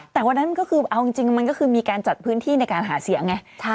แต่วันนั้นก็คือเอาจริงมันก็คือมีการจัดพื้นที่ในการหาเสียงไง